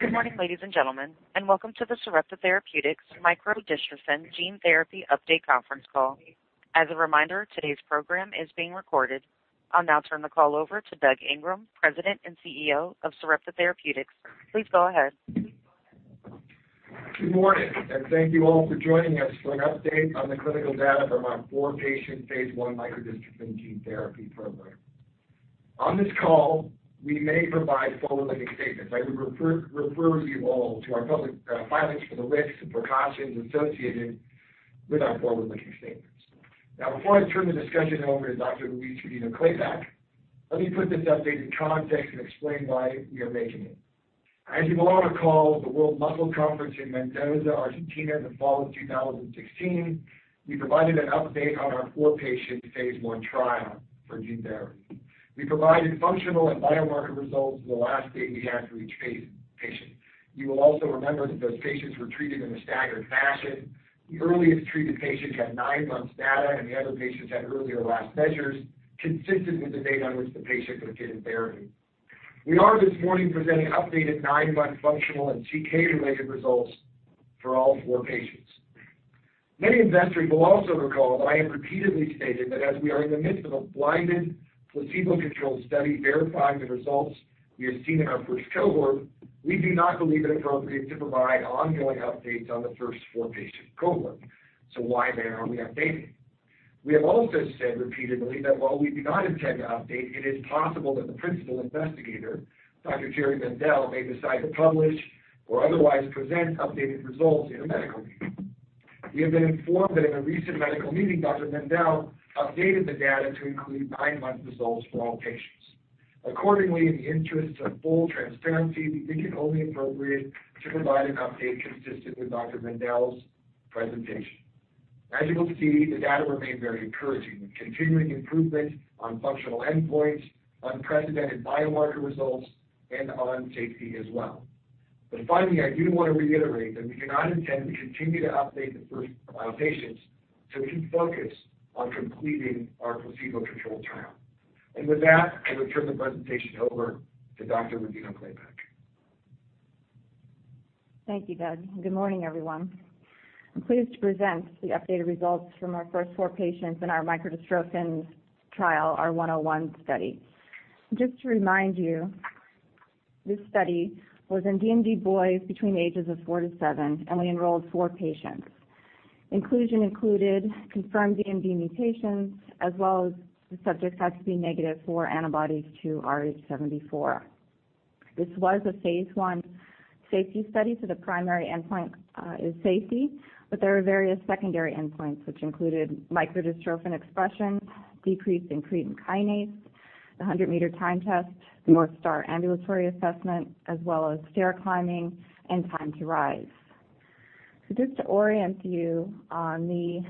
Good morning, ladies and gentlemen. Welcome to the Sarepta Therapeutics micro-dystrophin Gene Therapy Update Conference Call. As a reminder, today's program is being recorded. I'll now turn the call over to Doug Ingram, President and CEO of Sarepta Therapeutics. Please go ahead. Good morning. Thank you all for joining us for an update on the clinical data from our four-patient phase I micro-dystrophin gene therapy program. On this call, we may provide forward-looking statements. I would refer you all to our public filings for the risks and precautions associated with our forward-looking statements. Before I turn the discussion over to Dr. Louise Rodino-Klapac, let me put this update in context and explain why we are making it. As you will all recall, at the World Muscle Conference in Mendoza, Argentina, in the fall of 2016, we provided an update on our four-patient phase I trial for gene therapy. We provided functional and biomarker results for the last date we had for each patient. You will also remember that those patients were treated in a staggered fashion. The earliest treated patient had nine months data. The other patients had earlier last measures consistent with the date on which the patient received therapy. We are this morning presenting updated nine-month functional and CK-related results for all four patients. Many investors will also recall that I have repeatedly stated that as we are in the midst of a blinded, placebo-controlled study verifying the results we have seen in our first cohort, we do not believe it appropriate to provide ongoing updates on the first four-patient cohort. Why then are we updating? We have also said repeatedly that while we do not intend to update, it is possible that the principal investigator, Dr. Jerry Mendell, may decide to publish or otherwise present updated results in a medical meeting. We have been informed that in a recent medical meeting, Dr. Mendell updated the data to include nine-month results for all patients. Accordingly, in the interests of full transparency, we think it only appropriate to provide an update consistent with Dr. Mendell's presentation. As you will see, the data remain very encouraging, with continuing improvement on functional endpoints, unprecedented biomarker results, and on safety as well. Finally, I do want to reiterate that we do not intend to continue to update the first patients to keep focused on completing our placebo-controlled trial. With that, I will turn the presentation over to Dr. Louise Rodino-Klapac. Thank you, Doug. Good morning, everyone. I'm pleased to present the updated results from our first four patients in our micro-dystrophin trial, our Study 101. Just to remind you, this study was in DMD boys between ages of four to seven, and we enrolled four patients. Inclusion included confirmed DMD mutations, as well as the subject had to be negative for antibodies to rAAVrh74. This was a phase I safety study, so the primary endpoint is safety, but there are various secondary endpoints, which included micro-dystrophin expression, decreased in creatine kinase, the 100-meter time test, the North Star Ambulatory Assessment, as well as stair climbing, and time to rise. Just to orient you on the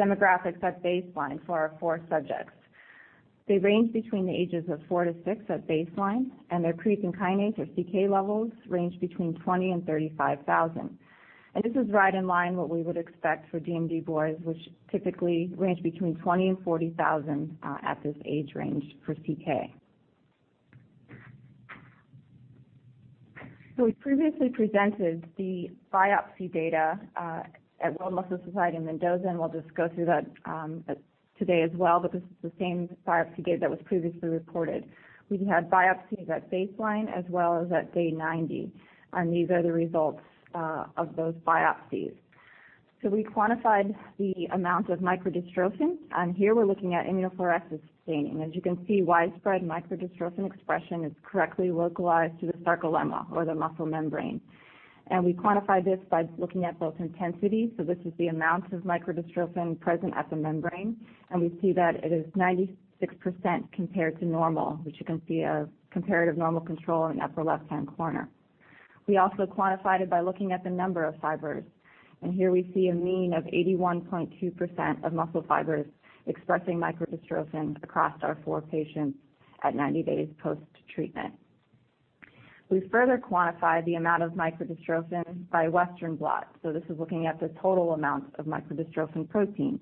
demographics at baseline for our four subjects. They range between the ages of four to six at baseline, and their creatine kinase or CK levels range between 20,000 and 35,000. This is right in line what we would expect for DMD boys, which typically range between 20,000 and 40,000 at this age range for CK. We previously presented the biopsy data at World Muscle Society in Mendoza, and we'll just go through that today as well, because it's the same biopsy data that was previously reported. We had biopsies at baseline as well as at day 90, and these are the results of those biopsies. We quantified the amount of micro-dystrophin, and here we're looking at immunofluorescence staining. As you can see, widespread micro-dystrophin expression is correctly localized to the sarcolemma or the muscle membrane. We quantify this by looking at both intensity, so this is the amount of micro-dystrophin present at the membrane, and we see that it is 96% compared to normal, which you can see a comparative normal control in the upper left-hand corner. We also quantified it by looking at the number of fibers, and here we see a mean of 81.2% of muscle fibers expressing micro-dystrophin across our four patients at 90 days post-treatment. We further quantified the amount of micro-dystrophin by Western blot, so this is looking at the total amount of micro-dystrophin protein.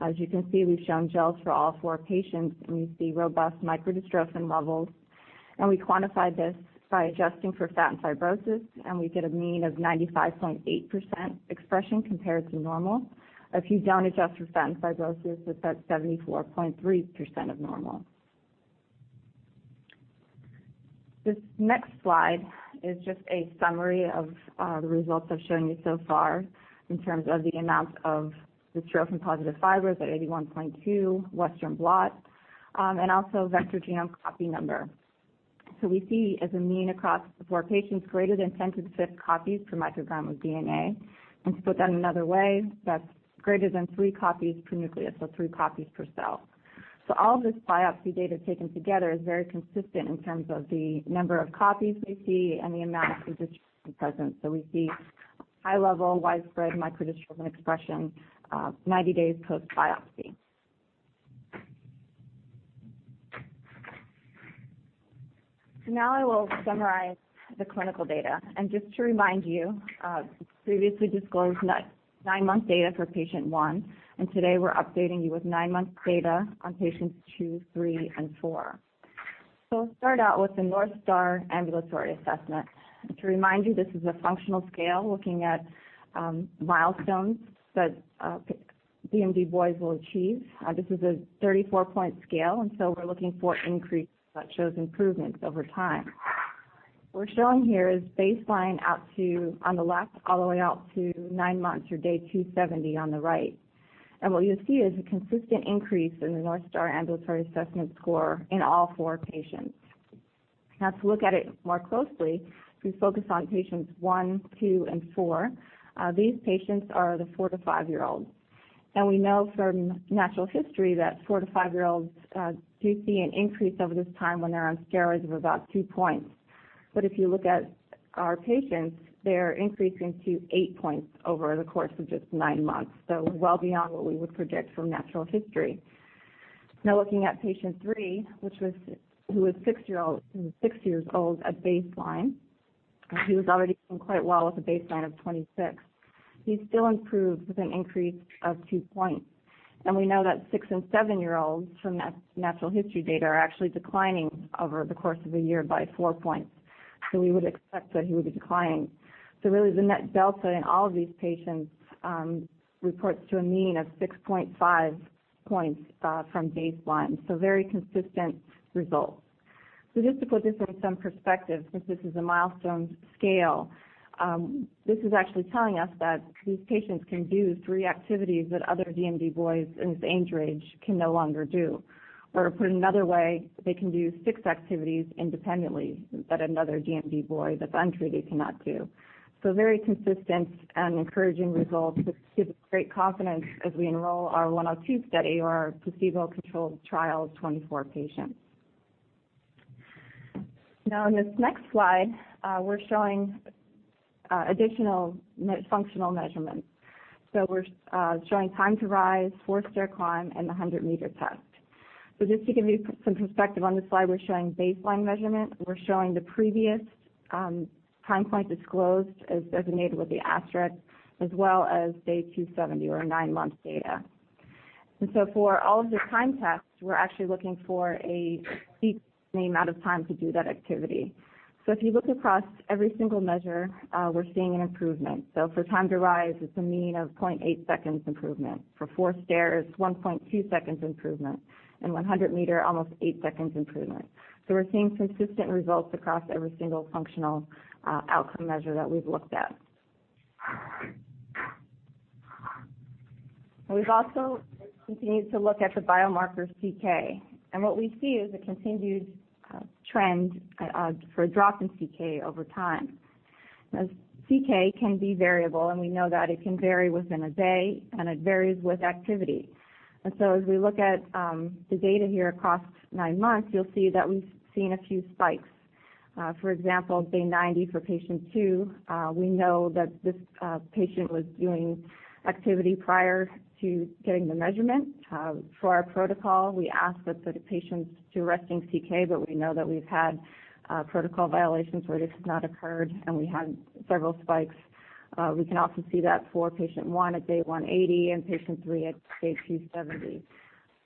As you can see, we've shown gels for all four patients, and we see robust micro-dystrophin levels. We quantified this by adjusting for fat and fibrosis, and we get a mean of 95.8% expression compared to normal. If you don't adjust for fat and fibrosis, it's at 74.3% of normal. This next slide is just a summary of the results I've shown you so far in terms of the amount of dystrophin-positive fibers at 81.2 Western blot, and also vector genome copy number. We see as a mean across the 4 patients greater than 10^5 copies per microgram of DNA. To put that another way, that's greater than three copies per nucleus, so three copies per cell. All of this biopsy data taken together is very consistent in terms of the number of copies we see and the amount of dystrophin present. We see high level widespread micro-dystrophin expression 90 days post biopsy. Now I will summarize the clinical data. Just to remind you, previously disclosed nine-month data for patient 1, today we're updating you with nine-month data on patients two, three, and four. Start out with the North Star Ambulatory Assessment. To remind you, this is a functional scale looking at milestones that DMD boys will achieve. This is a 34-point scale, we're looking for increase that shows improvements over time. What we're showing here is baseline out to on the left all the way out to nine months or day 270 on the right. What you'll see is a consistent increase in the North Star Ambulatory Assessment score in all four patients. To look at it more closely, if we focus on patients one, two, and four these patients are the four to five-year-olds. We know from natural history that four to five-year-olds do see an increase over this time when they're on steroids of about two points. If you look at our patients, they're increasing to eight points over the course of just nine months. Well beyond what we would predict from natural history. Looking at patient three, who was six years old at baseline. He was already doing quite well with a baseline of 26. He still improved with an increase of two points. We know that six and seven-year-olds from natural history data are actually declining over the course of a year by four points. We would expect that he would decline. Really the net delta in all of these patients reports to a mean of 6.5 points from baseline. Very consistent results. Just to put this in some perspective, since this is a milestone scale, this is actually telling us that these patients can do three activities that other DMD boys in this age range can no longer do. Or put another way, they can do six activities independently that another DMD boy that's untreated cannot do. Very consistent and encouraging results, which gives great confidence as we enroll our Study 102 or our placebo-controlled trial of 24 patients. In this next slide, we're showing additional net functional measurements. We're showing time to rise, four-stair climb, and the 100-meter test. Just to give you some perspective on this slide, we're showing baseline measurement. We're showing the previous time points as closed, as designated with the asterisk, as well as day 270 or nine-month data. For all of the time tests, we're actually looking for a decreased amount of time to do that activity. If you look across every single measure, we're seeing an improvement. For time to rise, it's a mean of 0.8 seconds improvement. For four stairs, 1.2 seconds improvement, 100 meter, almost eight seconds improvement. We're seeing consistent results across every single functional outcome measure that we've looked at. We've also continued to look at the biomarker CK. What we see is a continued trend for a drop in CK over time. CK can be variable, we know that it can vary within a day, it varies with activity. As we look at the data here across nine months, you'll see that we've seen a few spikes. For example, day 90 for patient two, we know that this patient was doing activity prior to getting the measurement. For our protocol, we ask that the patients do resting CK, but we know that we've had protocol violations where this has not occurred, and we had several spikes. We can also see that for patient one at day 180 and patient three at day 270.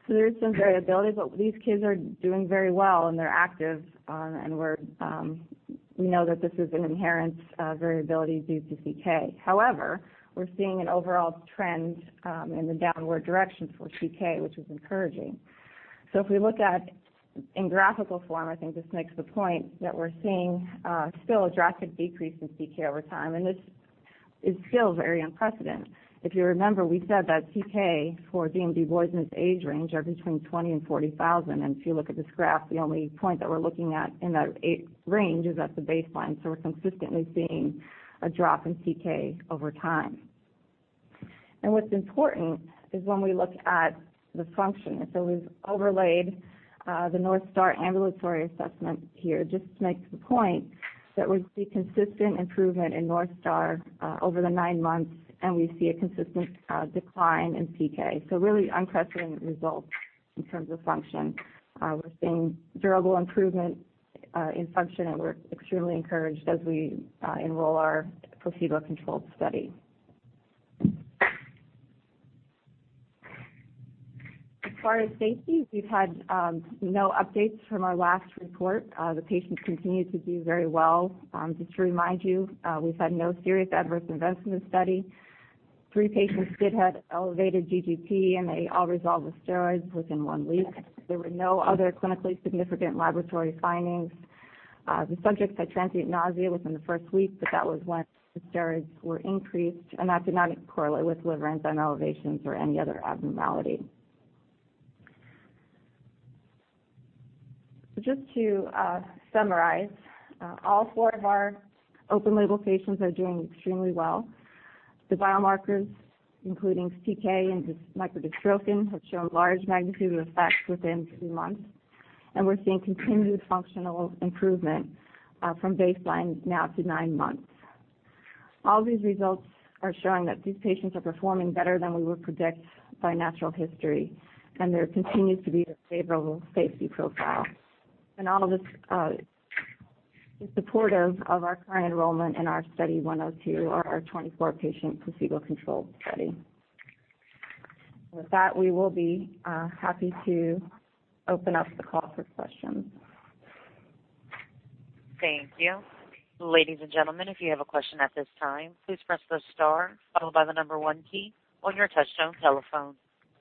There's some variability, but these kids are doing very well, and they're active. We know that this is an inherent variability due to CK. However, we're seeing an overall trend in the downward direction for CK, which is encouraging. If we look at in graphical form, I think this makes the point that we're seeing still a drastic decrease in CK over time, and this is still very unprecedented. If you remember, we said that CK for DMD boys in this age range are between 20,000 and 40,000. If you look at this graph, the only point that we're looking at in that range is at the baseline. We're consistently seeing a drop in CK over time. What's important is when we look at the function. We've overlaid the North Star Ambulatory Assessment here just to make the point that we see consistent improvement in North Star over the nine months, and we see a consistent decline in CK. Really unprecedented results in terms of function. We're seeing durable improvement in function, and we're extremely encouraged as we enroll our placebo-controlled study. As far as safety, we've had no updates from our last report. The patients continue to do very well. Just to remind you, we've had no serious adverse events in the study. Three patients did have elevated GGT, and they all resolved with steroids within one week. There were no other clinically significant laboratory findings. The subjects had transient nausea within the first week, but that was when the steroids were increased, and that did not correlate with liver enzyme elevations or any other abnormality. Just to summarize, all four of our open label patients are doing extremely well. The biomarkers, including CK and microdystrophin, have shown large magnitudes of effect within three months, and we're seeing continued functional improvement from baseline now to nine months. All these results are showing that these patients are performing better than we would predict by natural history, and there continues to be a favorable safety profile. All of this is supportive of our current enrollment in our Study 102 or our 24-patient placebo-controlled study. With that, we will be happy to open up the call for questions. Thank you. Ladies and gentlemen, if you have a question at this time, please press the star followed by the number one key on your touchtone telephone.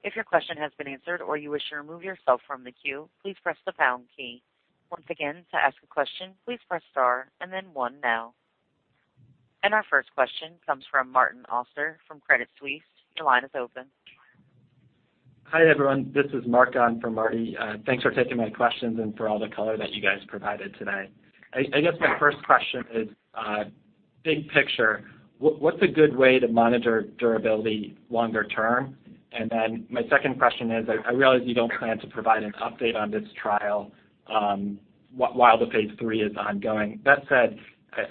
If your question has been answered or you wish to remove yourself from the queue, please press the pound key. Once again, to ask a question, please press star and then one now. Our first question comes from Martin Auster from Credit Suisse. Your line is open. Hi, everyone. This is [Markan] from Marty. Thanks for taking my questions and for all the color that you guys provided today. I guess my first question is big picture. What's a good way to monitor durability longer term? My second question is, I realize you don't plan to provide an update on this trial while the phase III is ongoing. That said,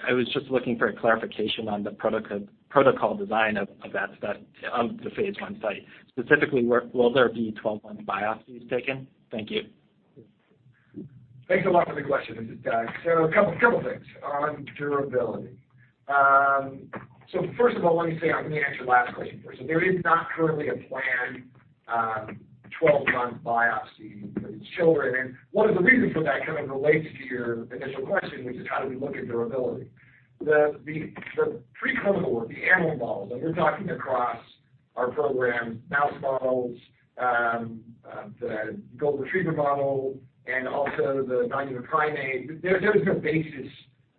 I was just looking for a clarification on the protocol design of the phase I study. Specifically, will there be 12-month biopsies taken? Thank you. Thanks a lot for the question. A couple of things on durability. First of all, let me answer your last question first. There is not currently a planned 12-month biopsy for these children, and 1 of the reasons for that kind of relates to your initial question, which is how do we look at durability. The preclinical work, the animal models, and we're talking across our program, mouse models, the golden retriever model, and also the non-human primate. There is no basis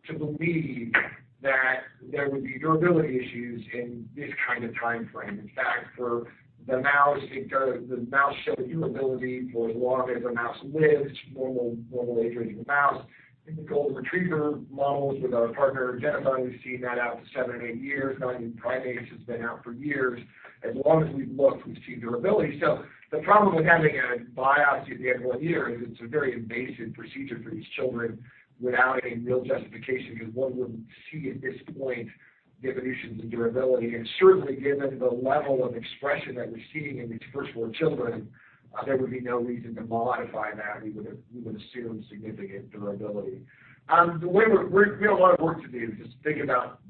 to believe that there would be durability issues in this kind of timeframe. In fact, for the mouse, the mouse showed durability for as long as a mouse lives, normal age range of a mouse. In the golden retriever models with our partner, Genethon, we've seen that out to seven, eight years. Non-human primates has been out for years. As long as we've looked, we've seen durability. The problem with having a biopsy at the end of one year is it's a very invasive procedure for these children without a real justification because one wouldn't see at this point diminutions in durability. Certainly given the level of expression that we're seeing in these first four children, there would be no reason to modify that. We would assume significant durability. We have a lot of work to do to just think about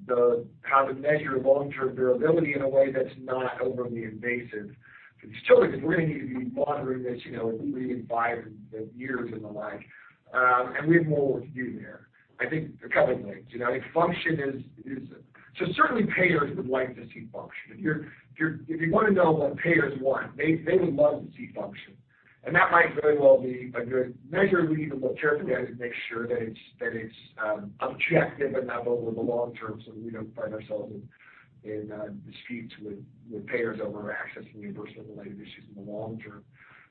how to measure long-term durability in a way that's not overly invasive for these children, because we're going to need to be monitoring this in three and five years and the like. We have more work to do there. I think a couple of things. Certainly payers would like to see function. If you want to know what payers want, they would love to see function. That might very well be a good measure. We need to look carefully at it to make sure that it's objective and that over the long term, so we don't find ourselves in disputes with payers over access and reimbursement-related issues in the long term.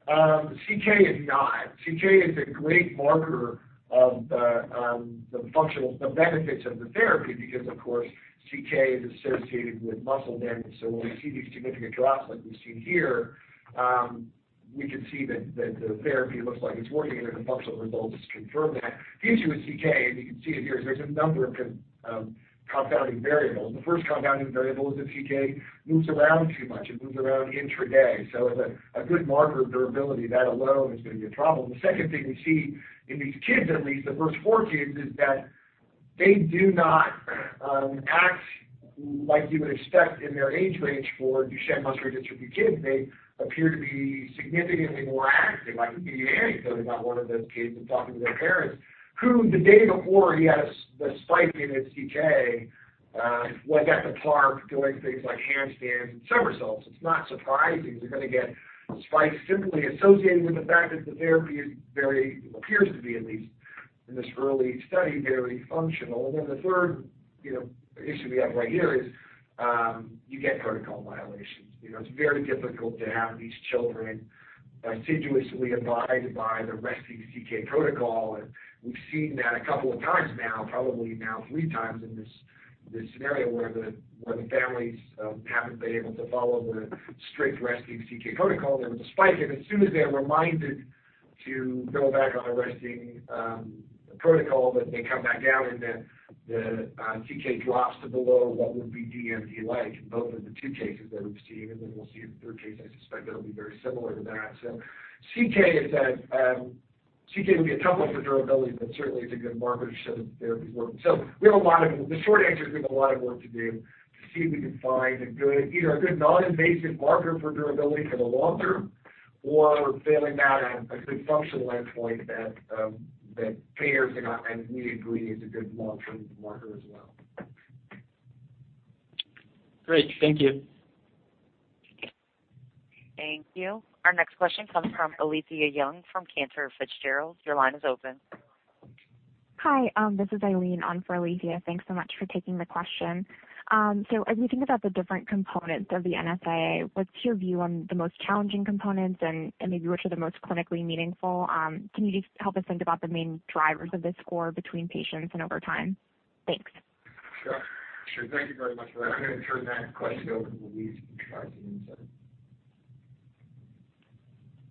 CK is not. CK is a great marker of the benefits of the therapy because, of course, CK is associated with muscle damage. When we see these significant drops like we've seen here, we can see that the therapy looks like it's working, and the functional results confirm that. The issue with CK, and you can see it here, is there's a number of confounding variables. The first confounding variable is if CK moves around too much. It moves around intraday. As a good marker of durability, that alone is going to be a problem. The second thing we see in these kids, at least the first four kids, is that they do not act like you would expect in their age range for Duchenne muscular dystrophy kids. They appear to be significantly more active. Like we can get an anecdote about one of those kids and talking to their parents, who the day before he had a spike in his CK, was at the park doing things like handstands and somersaults. It's not surprising they're going to get spikes simply associated with the fact that the therapy appears to be, at least in this early study, very functional. Then the third issue we have right here is you get protocol violations. It's very difficult to have these children assiduously abide by the resting CK protocol, and we've seen that a couple of times now, probably now three times in this scenario where the families haven't been able to follow the strict resting CK protocol. There was a spike, and as soon as they're reminded to go back on a resting protocol, they come back down, and then the CK drops to below what would be DMD-like in both of the two cases that we've seen, and then we'll see the third case. I suspect it'll be very similar to that. CK will be a challenge for durability, but certainly it's a good marker to show that the therapy is working. The short answer is we have a lot of work to do to see if we can find either a good non-invasive marker for durability for the long term, or failing that, a good functional endpoint that payers and we agree is a good long-term marker as well. Great. Thank you. Thank you. Our next question comes from Alethia Young from Cantor Fitzgerald. Your line is open. Hi. This is Eileen on for Alethia. Thanks so much for taking the question. As we think about the different components of the NSAA, what's your view on the most challenging components and maybe which are the most clinically meaningful? Can you just help us think about the main drivers of this score between patients and over time? Thanks. Sure. Thank you very much for that. I'm going to turn that question over to Louise to try to answer.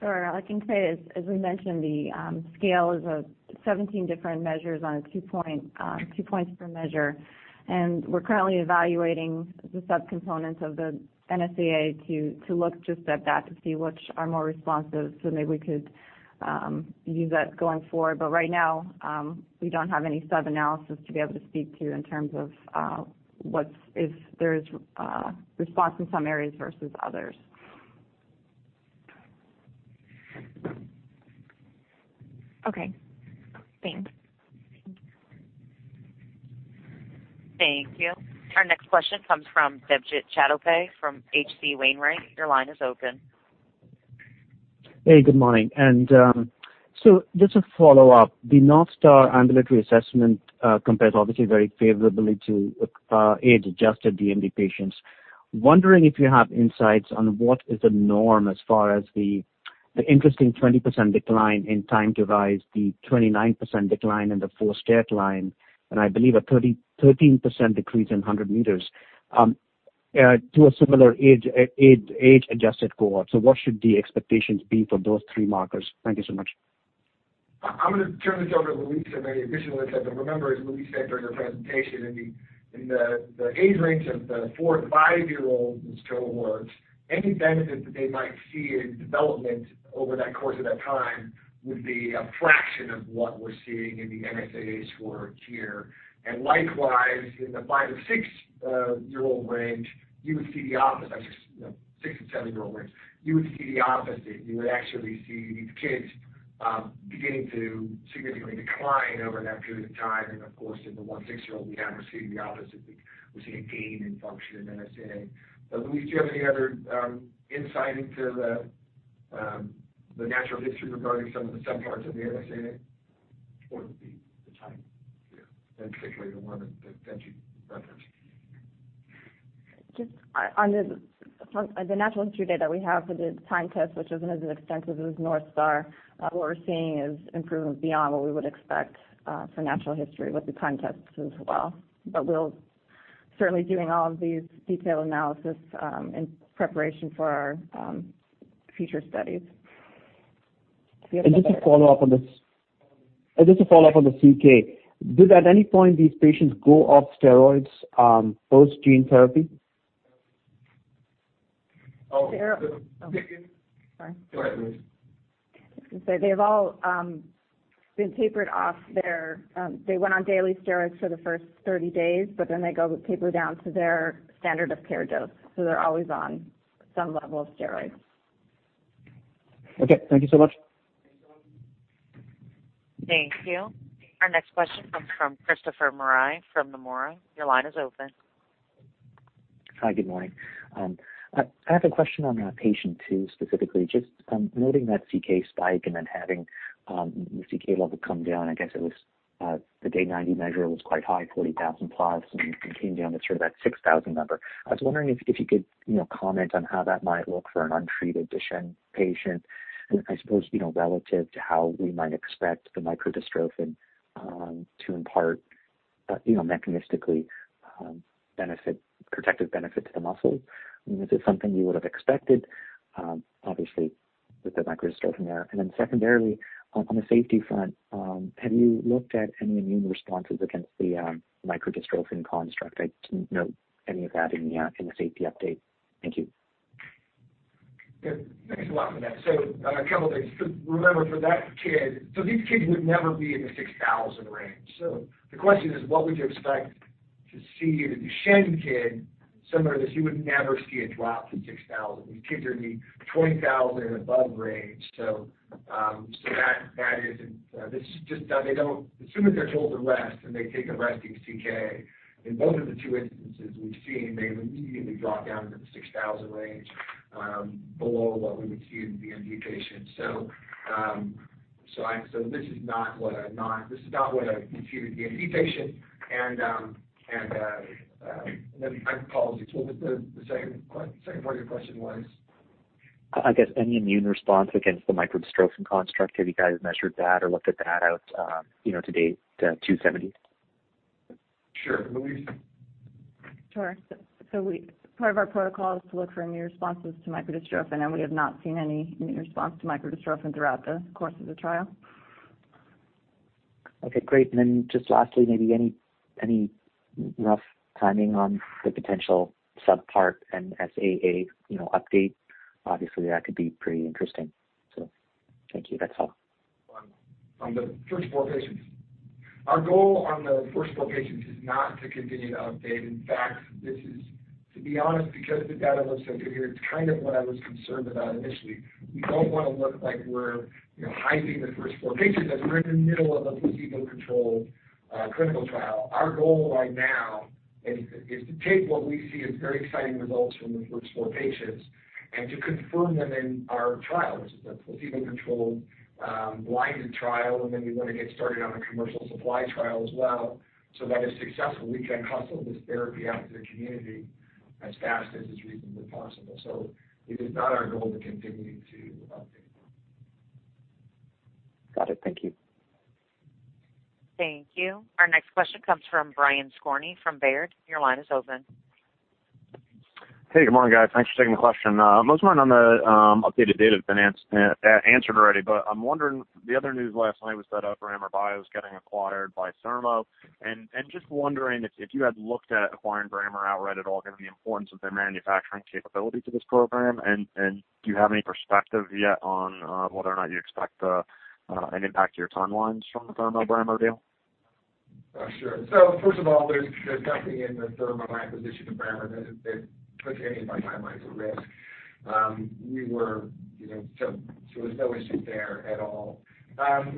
Sure. I can say, as we mentioned, the scale is of 17 different measures on two points per measure, and we're currently evaluating the subcomponents of the NSAA to look just at that to see which are more responsive. Maybe we could use that going forward. Right now, we don't have any sub-analysis to be able to speak to in terms of if there is a response in some areas versus others. Okay. Thanks. Thank you. Our next question comes from Debjit Chattopadhyay from H.C. Wainwright. Your line is open. Hey, good morning. Just to follow up, the North Star Ambulatory Assessment compares obviously very favorably to age-adjusted DMD patients. Wondering if you have insights on what is the norm as far as the interesting 20% decline in time to rise, the 29% decline in the forced vital capacity, and I believe a 13% decrease in 100 meters to a similar age-adjusted cohort. What should the expectations be for those three markers? Thank you so much. I'm going to turn this over to Louise, and maybe additionally, Ted, but remember, as Louise said during her presentation, in the age range of the four to five-year-olds cohort, any benefit that they might see in development over that course of that time would be a fraction of what we're seeing in the NSAA cohort here. Likewise, in the five to six-year-old range, you would see the opposite. Six and seven-year-old range, you would see the opposite. You would actually see these kids beginning to significantly decline over that period of time, and of course, in the one six-year-old we have, we're seeing the opposite. We're seeing a gain in function in NSAA. Louise, do you have any other insight into the natural history regarding some of the subparts of the NSAA? Or the time here, in particular, the one that Debjit referenced. Just on the natural history data that we have for the time test, which isn't as extensive as North Star, what we're seeing is improvement beyond what we would expect for natural history with the time test as well. We're certainly doing all of these detailed analysis in preparation for our future studies. Just to follow up on the CK, did at any point these patients go off steroids post gene therapy? Steroids. Oh. Go ahead, Louise. I was going to say, they've all been tapered off. They went on daily steroids for the first 30 days, they go taper down to their standard of care dose. They're always on some level of steroids. Okay. Thank you so much. Thank you. Our next question comes from Christopher Marai from Nomura. Your line is open. Hi, good morning. I have a question on patient two, specifically. Just noting that CK spike and then having the CK level come down, I guess it was the day 90 measure was quite high, 40,000+, and came down to that 6,000 number. I was wondering if you could comment on how that might look for an untreated Duchenne patient. I suppose, relative to how we might expect the microdystrophin to impart mechanistically protective benefit to the muscle. I mean, is this something you would've expected, obviously, with the microdystrophin there? Then secondarily, on the safety front, have you looked at any immune responses against the microdystrophin construct? I didn't note any of that in the safety update. Thank you. Yeah. Thanks a lot for that. A couple of things. Remember for that kid, these kids would never be in the 6,000 range. The question is, what would you expect to see in a Duchenne kid similar to this? You would never see a drop to 6,000. These kids are in the 20,000 and above range. As soon as they're told to rest, and they take a resting CK, in both of the two instances we've seen, they immediately drop down into the 6,000 range, below what we would see in a DMD patient. This is not what I'd see in a DMD patient, and I apologize. What the second part of your question was? I guess any immune response against the microdystrophin construct, have you guys measured that or looked at that out to date 270? Sure. Louise? Sure. Part of our protocol is to look for immune responses to microdystrophin, and we have not seen any immune response to microdystrophin throughout the course of the trial. Okay, great. Just lastly, maybe any rough timing on the potential subpart NSAA update? Obviously, that could be pretty interesting. Thank you. That's all. On the first four patients. Our goal on the first four patients is not to continue to update. In fact, to be honest, because the data looks so good here, it's kind of what I was concerned about initially. We don't want to look like we're hiding the first four patients as we're in the middle of a placebo-controlled clinical trial. Our goal right now is to take what we see as very exciting results from the first four patients and to confirm them in our trial, which is a placebo-controlled blinded trial. We want to get started on a commercial supply trial as well, that if successful, we can hustle this therapy out to the community as fast as is reasonably possible. It is not our goal to continue to update. Got it. Thank you. Thank you. Our next question comes from Brian Skorney from Baird. Your line is open. Hey, good morning, guys. Thanks for taking the question. Most of mine on the updated data have been answered already, I'm wondering, the other news last night was that Brammer Bio is getting acquired by Thermo, just wondering if you had looked at acquiring Brammer outright at all, given the importance of their manufacturing capability to this program, do you have any perspective yet on whether or not you expect an impact to your timelines from the Thermo Brammer deal? Sure. First of all, there's nothing in the Thermo acquisition environment that puts any of my timelines at risk. There's no issue there at all.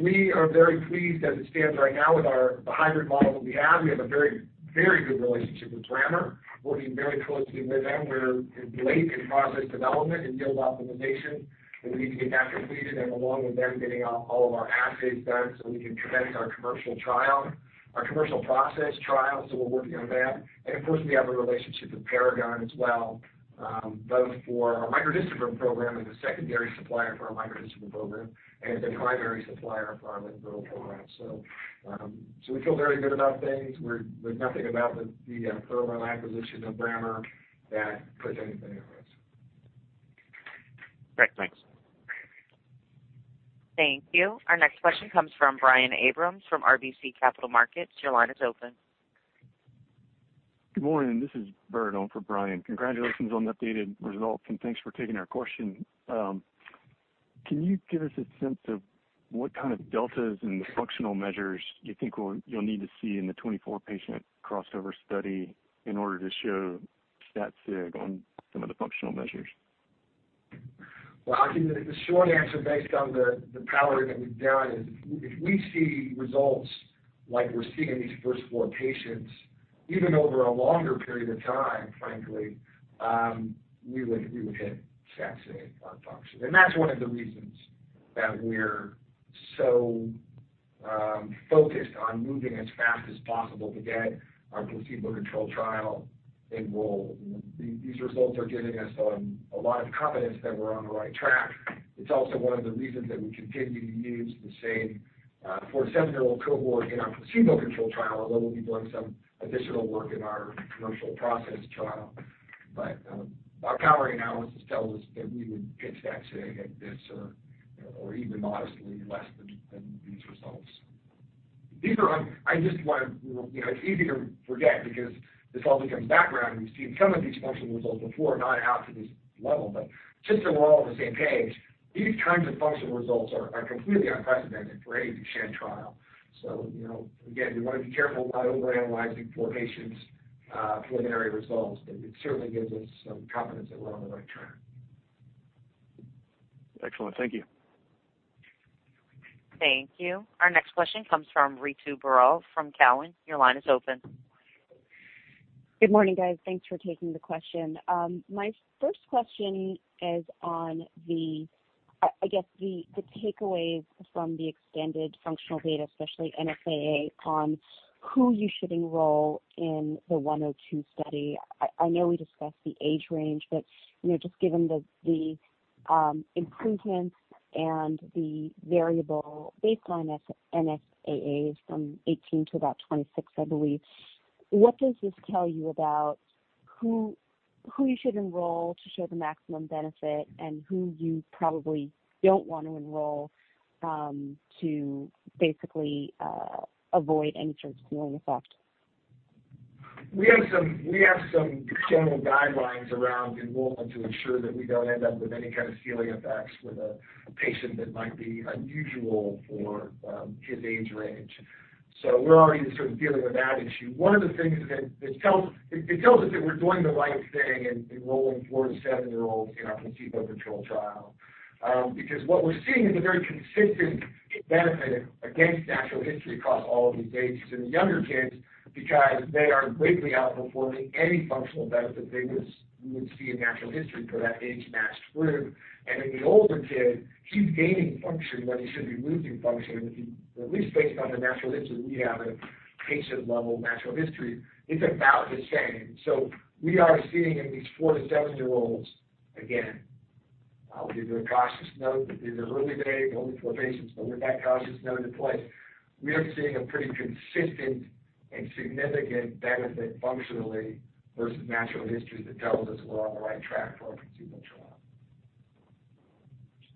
We are very pleased as it stands right now with the hybrid model that we have. We have a very good relationship with Brammer, working very closely with them. We're late in process development and yield optimization, we need to get that completed along with them getting all of our assays done so we can commence our commercial trial, our commercial process trial. We're working on that. Of course, we have a relationship with Paragon as well, both for our microdystrophin program the secondary supplier for our microdystrophin program, the primary supplier for our myotubular program. We feel very good about things. There's nothing about the Thermo acquisition or Brammer that puts anything at risk. Great. Thanks. Thank you. Our next question comes from Brian Abrahams from RBC Capital Markets. Your line is open. Good morning. This is Bert on for Brian. Congratulations on the updated results. Thanks for taking our question. Can you give us a sense of what kind of deltas and functional measures you think you'll need to see in the 24-patient crossover study in order to show stat sig on some of the functional measures? I think that the short answer based on the powering that we've done is if we see results like we're seeing in these first four patients, even over a longer period of time, frankly, we would hit stat sig on function. That's one of the reasons that we're so focused on moving as fast as possible to get our placebo-controlled trial enrolled. These results are giving us a lot of confidence that we're on the right track. It's also one of the reasons that we continue to use the same four to seven-year-old cohort in our placebo-controlled trial, although we'll be doing some additional work in our commercial process trial. Our powering analysis tells us that we would hit stat sig at this or even modestly less than these results. It's easy to forget because this all becomes background, and we've seen some of these functional results before, not out to this level, but just so we're all on the same page, these kinds of functional results are completely unprecedented for any Duchenne trial. Again, we want to be careful about overanalyzing four patients' preliminary results, but it certainly gives us some confidence that we're on the right track. Excellent. Thank you. Thank you. Our next question comes from Ritu Baral from Cowen. Your line is open. Good morning, guys. Thanks for taking the question. My first question is on the, I guess, the takeaways from the extended functional data, especially NSAA, on who you should enroll in the 102 study. Just given the improvements and the variable baseline NSAAs from 18 to about 26, I believe, what does this tell you about who you should enroll to show the maximum benefit and who you probably don't want to enroll to basically avoid any sort of ceiling effect? We have some general guidelines around enrollment to ensure that we don't end up with any kind of ceiling effects with a patient that might be unusual for his age range. We're already sort of dealing with that issue. One of the things that it tells us that we're doing the right thing in enrolling four to seven-year-olds in our placebo-controlled trial. What we're seeing is a very consistent benefit against natural history across all of these ages. In the younger kids, because they are greatly outperforming any functional benefit that you would see in natural history for that age matched group. In the older kid, he's gaining function when he should be losing function, at least based on the natural history we have at a patient-level natural history. It's about the same. We are seeing in these four to seven-year-olds, again, I'll give you a cautious note that these are early days, only four patients, but with that cautious note in place, we are seeing a pretty consistent and significant benefit functionally versus natural history that tells us we're on the right track for our placebo trial.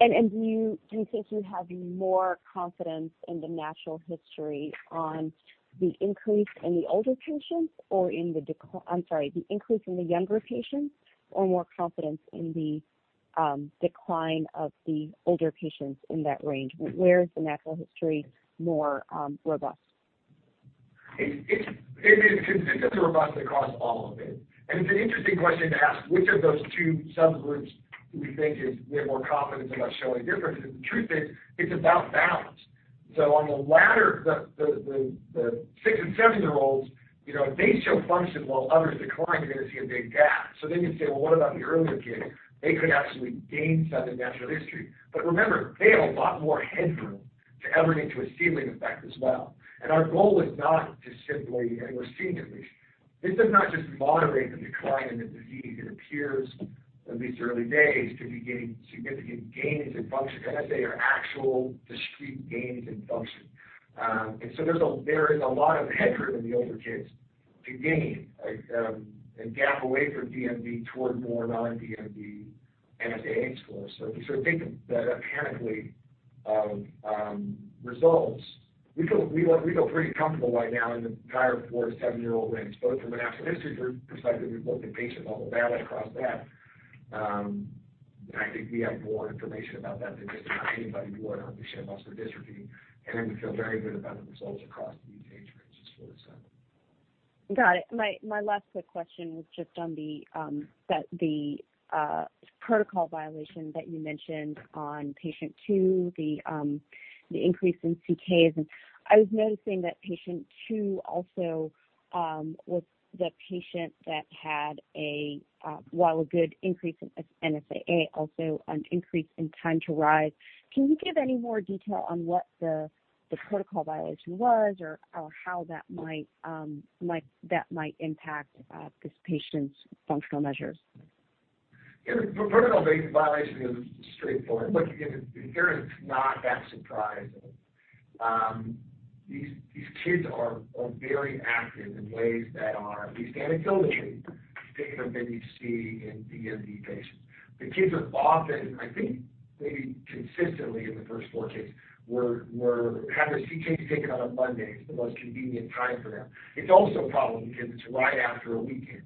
Do you think you have more confidence in the natural history on the increase in the older patients or in the decline. I'm sorry, the increase in the younger patients, or more confidence in the decline of the older patients in that range? Where is the natural history more robust? It is consistently robust across all of it. It's an interesting question to ask which of those two subgroups we think is we have more confidence about showing differences. The truth is it's about balance. On the latter, the six and seven-year-olds, if they show function while others decline, you're going to see a big gap. You'd say, "Well, what about the earlier kid? They could actually gain some in natural history." Remember, they have a lot more headroom to ever into a ceiling effect as well. Our goal is not to simply. We're seeing at least, this does not just moderate the decline in the disease. It appears in these early days to be getting significant gains in function. NSAA are actual discrete gains in function. There is a lot of headroom in the older kids to gain a gap away from DMD toward more non-DMD NSAA scores. If you sort of think of that mechanically, results, we feel pretty comfortable right now in the entire four to seven-year-old range, both from a natural history perspective, we've looked at patient level data across that. I think we have more information about that than just about anybody would on Duchenne muscular dystrophy. We feel very good about the results across these age ranges for this. Got it. My last quick question was just on the protocol violation that you mentioned on patient two, the increase in CKs. I was noticing that patient two also was the patient that had, while a good increase in NSAA, also an increase in time to rise. Can you give any more detail on what the protocol violation was or how that might impact this patient's functional measures? The protocol violation is straightforward. Look, again, it's not that surprising. These kids are very active in ways that are, at least anecdotally, thicker than you see in DMD patients. The kids are often, I think maybe consistently in the first four kids, were having their CKs taken on a Monday. It's the most convenient time for them. It's also a problem because it's right after a weekend.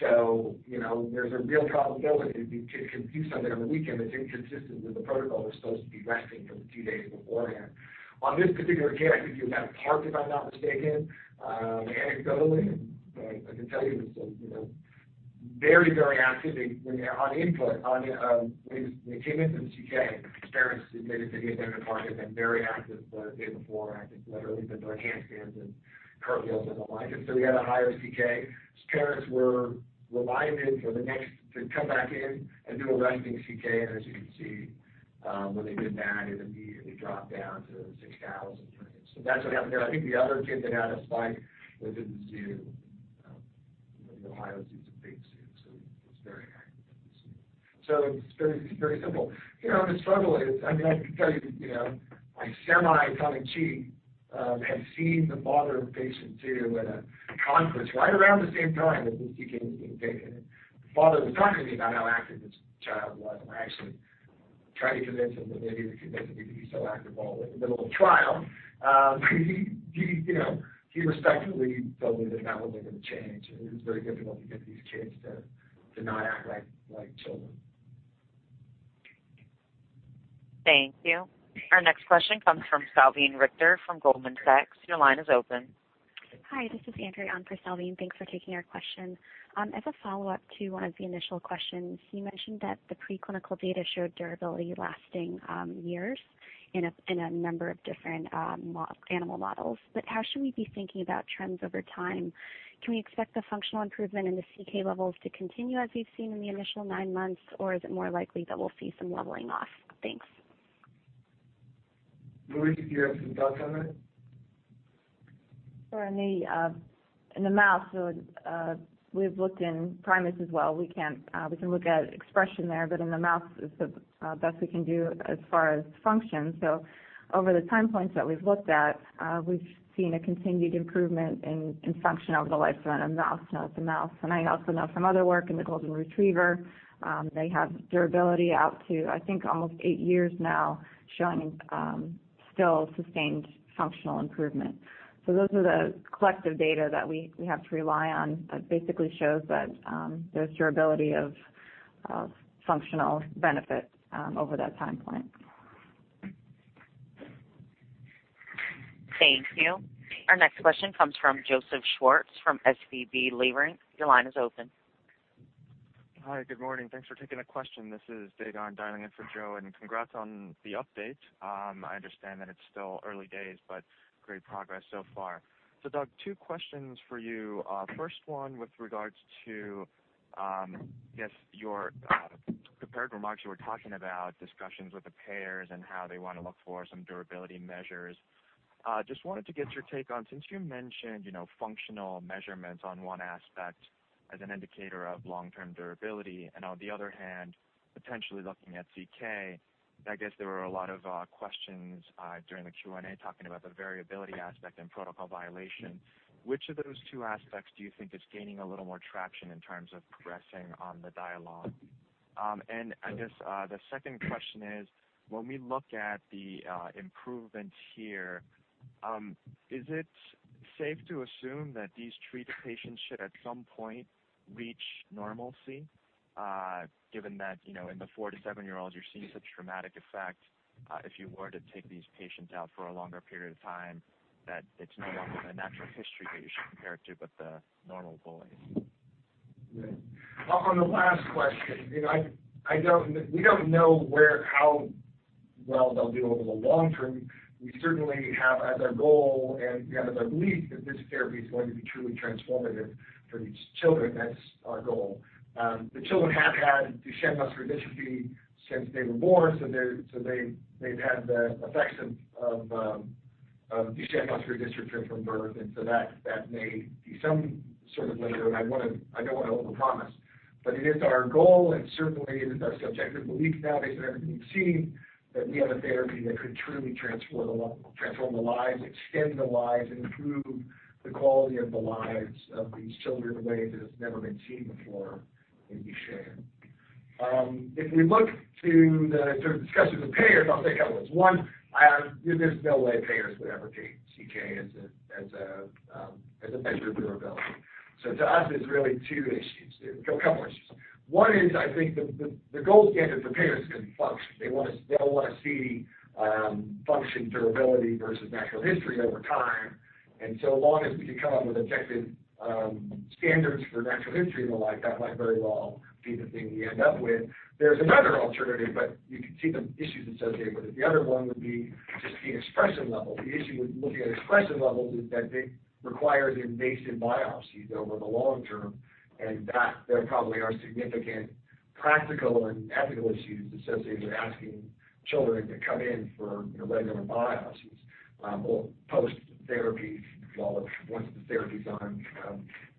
There's a real probability the kid can do something on the weekend that's inconsistent with the protocol. They're supposed to be resting for the two days beforehand. On this particular kid, I think he was at a park, if I'm not mistaken. Anecdotally, I can tell you he's very active on input. When he came in for the CK, his parents admitted that he had been at a park and been very active the day before, I think literally been doing handstands and cartwheels and the like. He had a higher CK. His parents were reminded to come back in and do a resting CK, and as you can see, when they did that, it immediately dropped down to 6,000. That's what happened there. I think the other kid that had a spike was at the zoo. The Ohio zoo is a big zoo, so it's very active at the zoo. It's very simple. The struggle is, I can tell you, my semi-comic chief had seen the father of patient two at a conference right around the same time that this CK was being taken. the father was talking to me about how active this child was, I actually tried to convince him that maybe we could convince him to be less active while we're in the middle of trial. He respectfully told me that that wasn't going to change, it is very difficult to get these kids to not act like children. Thank you. Our next question comes from Salveen Richter from Goldman Sachs. Your line is open. Hi, this is Andrea on for Salveen. Thanks for taking our question. As a follow-up to one of the initial questions, you mentioned that the preclinical data showed durability lasting years in a number of different animal models. How should we be thinking about trends over time? Can we expect the functional improvement in the CK levels to continue as we've seen in the initial nine months, or is it more likely that we'll see some leveling off? Thanks. Louise, do you have some thoughts on that? In the mouse, we've looked in primates as well. We can look at expression there, but in the mouse it's the best we can do as far as function. Over the time points that we've looked at, we've seen a continued improvement in function over the lifespan of the mouse. I also know some other work in the golden retriever. They have durability out to, I think almost eight years now, showing still sustained functional improvement. Those are the collective data that we have to rely on that basically shows that there's durability of functional benefit over that time point. Thank you. Our next question comes from Joseph Schwartz from SVB Leerink. Your line is open. Hi, good morning. Thanks for taking the question. This is [Dagan] dialing in for Joe, and congrats on the update. I understand that it's still early days, but great progress so far. Doug, two questions for you. First one with regards to, I guess, your prepared remarks, you were talking about discussions with the payers and how they want to look for some durability measures. Just wanted to get your take on, since you mentioned functional measurements on one aspect as an indicator of long-term durability, and on the other hand, potentially looking at CK, I guess there were a lot of questions during the Q&A talking about the variability aspect and protocol violation. Which of those two aspects do you think is gaining a little more traction in terms of progressing on the dialogue? I guess the second question is, when we look at the improvements here, is it safe to assume that these treated patients should, at some point, reach normalcy? Given that, in the four to seven-year-olds, you're seeing such dramatic effect, if you were to take these patients out for a longer period of time, that it's no longer the natural history that you should compare it to, but the normal boy. On the last question, we don't know how well they'll do over the long term. We certainly have as our goal, and we have as our belief that this therapy is going to be truly transformative for these children. That's our goal. The children have had Duchenne muscular dystrophy since they were born, so they've had the effects of Duchenne muscular dystrophy from birth, and so that may be some sort of limiter, and I don't want to overpromise. It is our goal, and certainly it is our subjective belief now based on everything we've seen, that we have a therapy that could truly transform the lives, extend the lives, improve the quality of the lives of these children in a way that has never been seen before in Duchenne. If we look to the discussions with payers, I'll say a couple of things. One, there's no way payers would ever take CK as a measure of durability. To us, it's really two issues there. A couple issues. One is I think the gold standard for payers is function. They all want to see function durability versus natural history over time, and so long as we can come up with objective standards for natural history and the like, that might very well be the thing we end up with. There's another alternative, but you can see the issues associated with it. The other one would be just the expression level. The issue with looking at expression levels is that they require invasive biopsies over the long term, and there probably are significant practical and ethical issues associated with asking children to come in for regular biopsies, or post-therapy follow-up once the therapy is on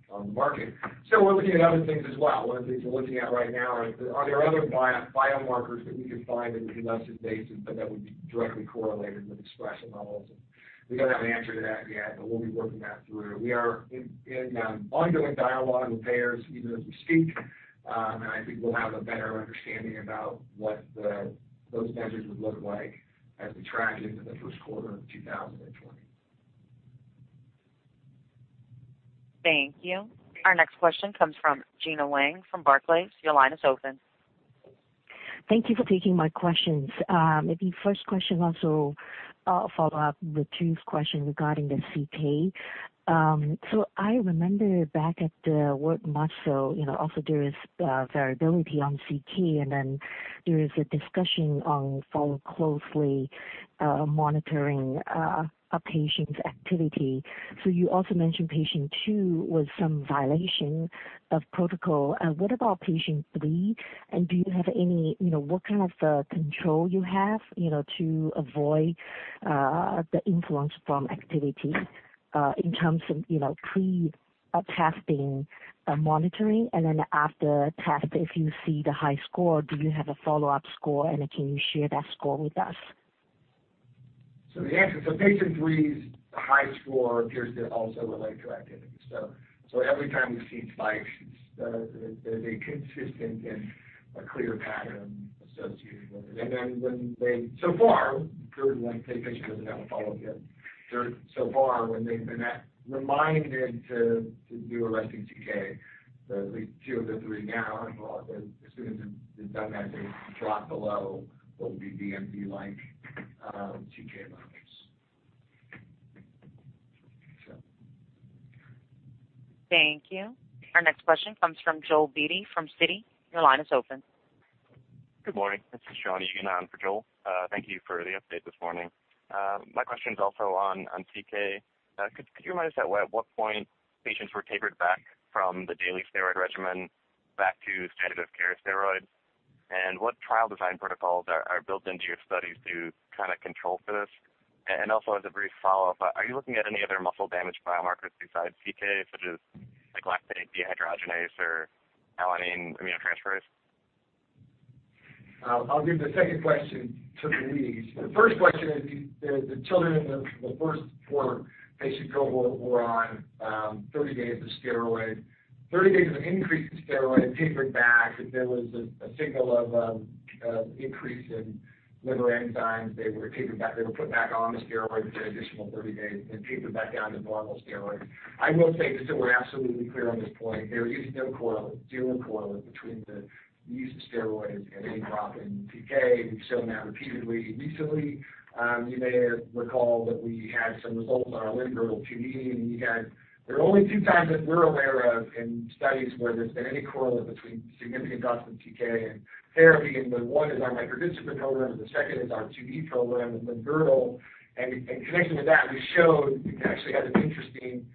the market. We're looking at other things as well. One of the things we're looking at right now is are there other biomarkers that we could find that are less invasive but that would be directly correlated with expression levels? We don't have an answer to that yet, but we'll be working that through. We are in ongoing dialogue with payers even as we speak. I think we'll have a better understanding about what those measures would look like as we track into the first quarter of 2020. Thank you. Our next question comes from Gena Wang from Barclays. Your line is open. Thank you for taking my questions. Maybe first question also a follow-up with two questions regarding the CK. I remember back at the World Muscle Society, also there is variability on CK, and then there is a discussion on closely monitoring a patient's activity. You also mentioned patient two with some violation of protocol. What about patient three, and what kind of control you have to avoid the influence from activity in terms of pre-testing monitoring? After test, if you see the high score, do you have a follow-up score, and can you share that score with us? The answer, patient three's high score appears to also relate to activity. Every time we've seen spikes, they've been consistent in a clear pattern associated with it. When they, so far, because patient three doesn't have a follow-up yet. So far, when they've been reminded to do a resting CK, at least two of the three now, as soon as they've done that, they've dropped below what would be DMD-like CK levels. Thank you. Our next question comes from Joel Beatty from Citi. Your line is open. Good morning. This is [Shawnee], again, for Joel. Thank you for the update this morning. My question's also on CK. Could you remind us at what point patients were tapered back from the daily steroid regimen back to standard of care steroids? What trial design protocols are built into your studies to kind of control for this? As a brief follow-up, are you looking at any other muscle damage biomarkers besides CK, such as lactate dehydrogenase or alanine aminotransferase? I'll leave the second question to Louise. The first question is the children in the first four patient cohort were on 30 days of steroid. 30 days of increased steroid, tapered back. If there was a signal of an increase in liver enzymes, they were tapered back. They were put back on the steroids for an additional 30 days, then tapered back down to normal steroids. I will say, just so we're absolutely clear on this point, there is no correlate between the use of steroids and any drop in CK. We've shown that repeatedly. Recently, you may recall that we had some results on our limb-girdle 2E, and there are only two times that we're aware of in studies where there's been any correlate between significant drops in CK and therapy, and the one is our micro-dystrophin program, and the second is our 2E program with limb-girdle. In connection with that, we showed, we actually had an interesting,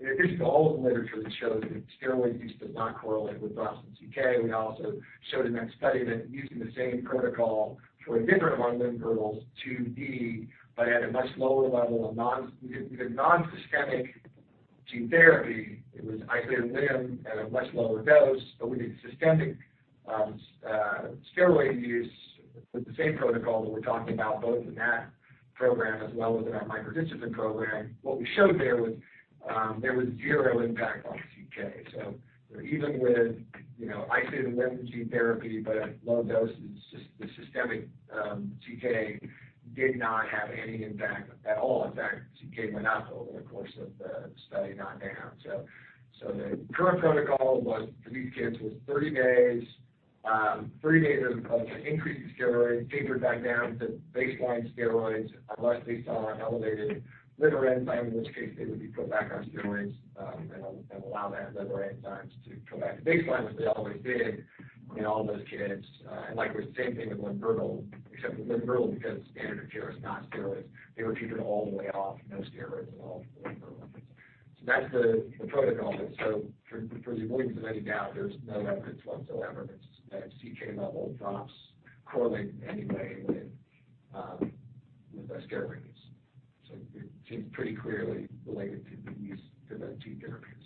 in addition to all of the literature that shows that steroid use does not correlate with drops in CK, we also showed in that study that using the same protocol for a different of our limb-girdles, 2D, but at a much lower level of non-systemic gene therapy. It was isolated limb at a much lower dose. We did systemic steroid use with the same protocol that we're talking about, both in that program as well as in our micro-dystrophin program. What we showed there was zero impact on CK. Even with isolated limb gene therapy, but at low doses, the systemic CK did not have any impact at all. In fact, CK went up over the course of the study, not down. The current protocol for these kids was 30 days of increased steroids, tapered back down to baseline steroids unless they saw an elevated liver enzyme, in which case they would be put back on steroids and allow that liver enzymes to go back to baseline, which they always did in all those kids. It was the same thing with limb-girdle, except with limb-girdle, because standard of care is not steroids, they were tapered all the way off, no steroids at all for limb-girdle. That's the protocol. For the avoidance of any doubt, there's no evidence whatsoever that CK level drops correlate in any way with the steroid use. It seems pretty clearly related to the use of that gene therapy itself.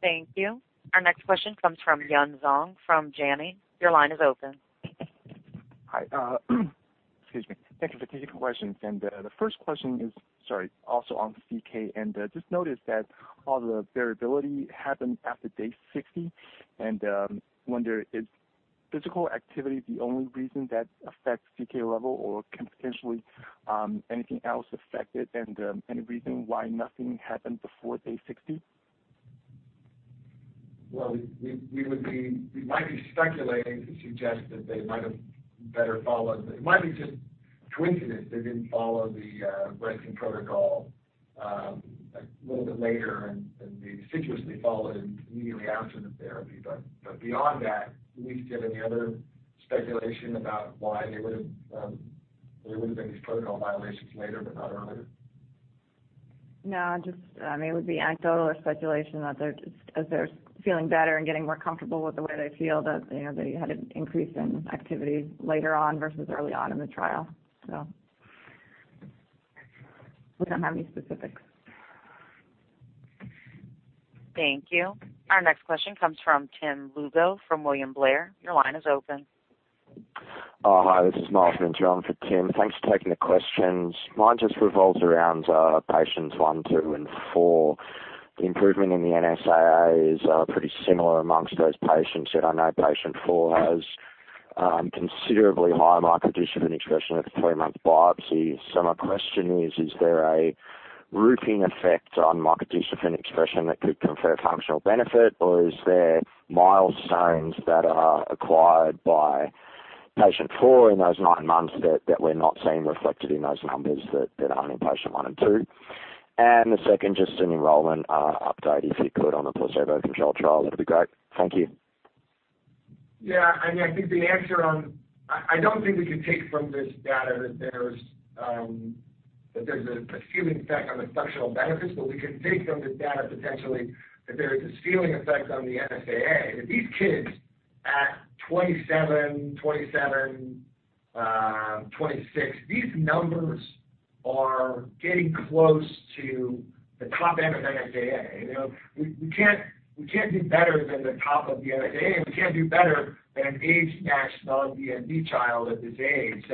Thank you. Our next question comes from Yun Zhong from Janney. Your line is open. Hi. Excuse me. Thank you for taking the questions. The first question is, sorry, also on CK. Just noticed that all the variability happened after day 60. I wonder, is physical activity the only reason that affects CK level, or can potentially anything else affect it? Any reason why nothing happened before day 60? Well, we might be speculating to suggest that it might be just coincidence they didn't follow the resting protocol a little bit later and they assiduously followed it immediately after the therapy. Beyond that, Louise, do you have any other speculation about why there would've been these protocol violations later, but not earlier? No, just it would be anecdotal or speculation that as they're feeling better and getting more comfortable with the way they feel, that they had an increase in activity later on versus early on in the trial. We don't have any specifics. Thank you. Our next question comes from Tim Lugo from William Blair. Your line is open. Hi. This is Martin Jones for Tim. Thanks for taking the questions. Mine just revolves around patients one, two, and four. The improvement in the NSAA is pretty similar amongst those patients, yet I know patient four has considerably high microdystrophin expression at the three-month biopsy. My question is there a rooting effect on microdystrophin expression that could confer functional benefit, or is there milestones that are acquired by patient four in those nine months that we're not seeing reflected in those numbers that are only in patient one and two? The second, just an enrollment update, if you could, on the placebo-controlled trial, that'd be great. Thank you. Yeah. I don't think we can take from this data that there's a ceiling effect on the functional benefits, but we can take from this data potentially that there is a ceiling effect on the NSAA. These kids at 27, 26, these numbers are getting close to the top end of NSAA. We can't do better than the top of the NSAA, and we can't do better than an aged matched non-DMD child at this age.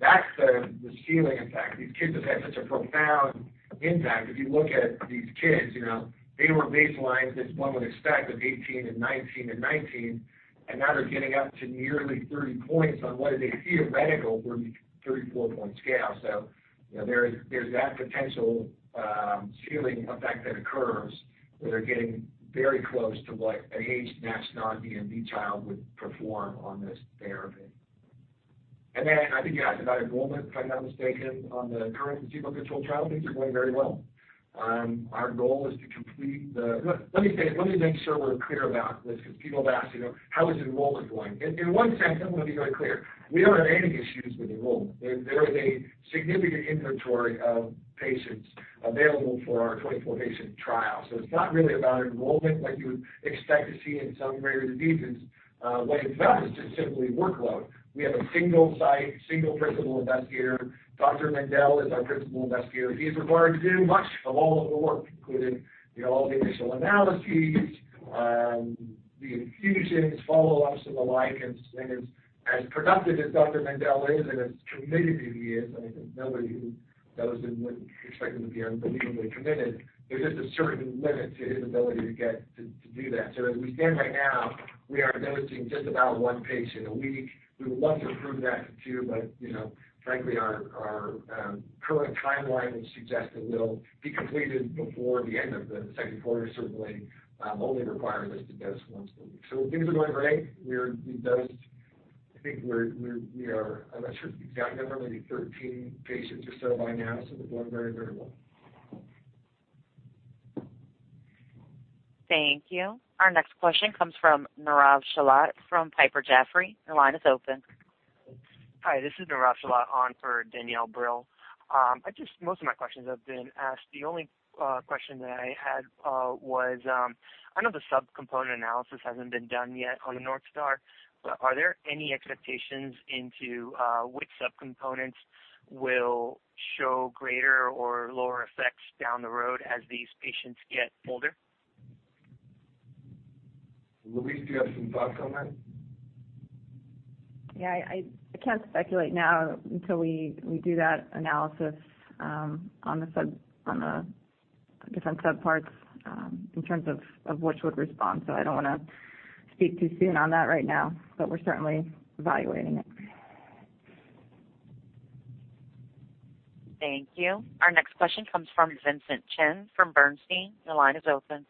That's the ceiling effect. These kids have had such a profound impact. If you look at these kids, they were baselined, as one would expect, of 18 and 19 and 19, and now they're getting up to nearly 30 points on what is a theoretical 34-point scale. There's that potential ceiling effect that occurs, where they're getting very close to what an aged matched non-DMD child would perform on this therapy. Then I think you asked about enrollment, if I'm not mistaken, on the current placebo-controlled trial. Things are going very well. Our goal is to complete the. Let me make sure we're clear about this, because people have asked, "How is enrollment going?" In one sense, I'm going to be very clear. We don't have any issues with enrollment. There is a significant inventory of patients available for our 24-patient trial. It's not really about enrollment like you would expect to see in some rare diseases. What it's about is just simply workload. We have a single site, single principal investigator. Dr. Mendell is our principal investigator. He's required to do much of all of the work, including all the initial analyses, the infusions, follow-ups, and the like. As productive as Dr. Mendell is and as committed as he is, and I think nobody who knows him wouldn't expect him to be unbelievably committed, there's just a certain limit to his ability to do that. As we stand right now, we are dosing just about one patient a week. We would love to improve that to two, but frankly, our current timeline would suggest that we'll be completed before the end of the second quarter, certainly only requiring us to dose once a week. Things are going great. I think we are, I'm not sure of the exact number, maybe 13 patients or so by now. They're going very, very well. Thank you. Our next question comes from Nirav Shelat from Piper Jaffray. Your line is open. Hi, this is Nirav Shelat on for Danielle Brill. Most of my questions have been asked. The only question that I had was, I know the subcomponent analysis hasn't been done yet on the North Star, are there any expectations into which subcomponents will show greater or lower effects down the road as these patients get older? Louise, do you have some thoughts on that? Yeah, I can't speculate now until we do that analysis on the different subparts in terms of which would respond. I don't want to speak too soon on that right now, we're certainly evaluating it. Thank you. Our next question comes from Vincent Chen from Bernstein. Your line is open.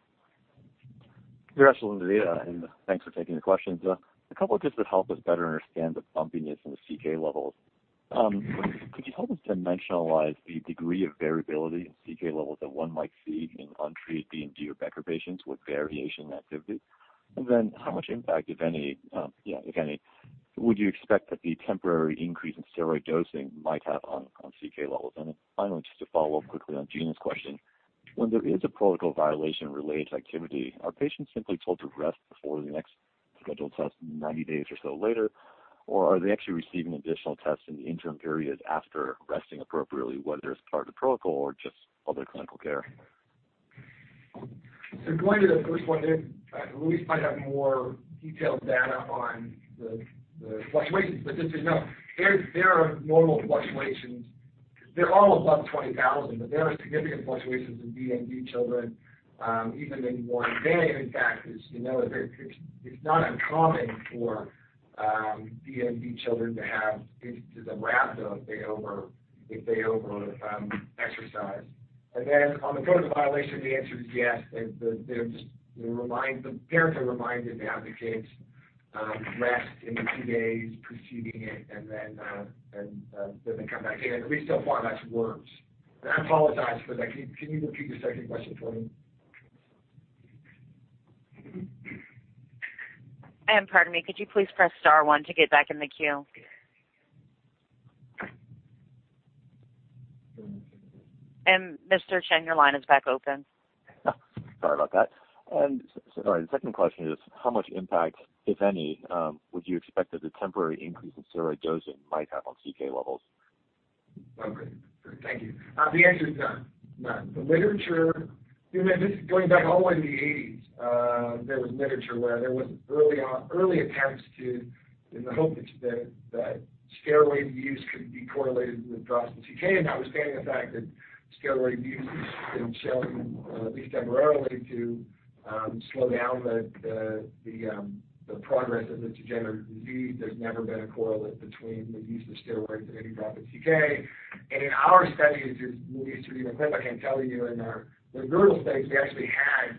Yes. Hello, Louise. Thanks for taking the questions. A couple just to help us better understand the bumpiness in the CK levels. Could you help us dimensionalize the degree of variability in CK levels that one might see in untreated DMD or Becker patients with variation in activity? How much impact, if any, would you expect that the temporary increase in steroid dosing might have on CK levels? Finally, just to follow up quickly on Gena's question, when there is a protocol violation related to activity, are patients simply told to rest before the next scheduled test 90 days or so later, or are they actually receiving additional tests in the interim period after resting appropriately, whether it's part of the protocol or just other clinical care? Going to the first one there, Louise might have more detailed data on the fluctuations. Just to know, there are normal fluctuations. They're all above 20,000, but there are significant fluctuations in DMD children even in one day. In fact, it's not uncommon for DMD children to have instances of rhabdo if they over-exercise. On the protocol violation, the answer is yes. The parents are reminded to have the kids rest in the two days preceding it, they come back in. At least so far, that's worked. I apologize for that. Can you repeat the second question for me? Pardon me, could you please press star one to get back in the queue? Mr. Chen, your line is back open. Sorry about that. The second question is, how much impact, if any, would you expect that the temporary increase in steroid dosing might have on CK levels? Oh, great. Thank you. The answer is none. None. This is going back all the way to the '80s. There was literature where there was early attempts in the hope that steroid use could be correlated with drops in CK. Notwithstanding the fact that steroid use has been shown, at least temporarily, to slow down the progress of the degenerative disease, there's never been a correlate between the use of steroids and any drop in CK. In our studies, at least with [evomeldro], I can tell you in the durable studies, we actually had